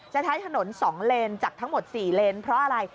ใช้ถนน๒เลนจากทั้งหมด๔เลนเพราะอะไร